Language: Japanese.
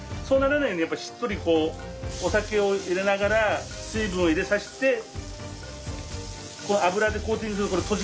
そうならないようにやっぱりしっとりこうお酒を入れながら水分を入れさして油でコーティングする。